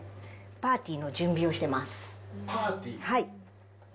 パーティー？